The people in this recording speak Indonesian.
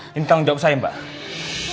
ini tanggung jawab saya mbak